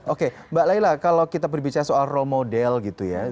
oke mbak layla kalau kita berbicara soal role model gitu ya